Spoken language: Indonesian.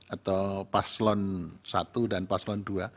atau paslon satu dan paslon dua